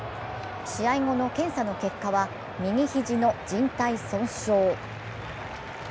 試合後の検査の結果は右肘のじん帯損傷。